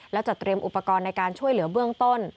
และจะเตรียมอุปกรณ์ในการช่วยเหลือเบื้องต้น